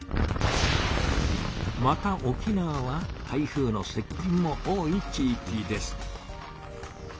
また沖縄は台風のせっ近も多い地いきです。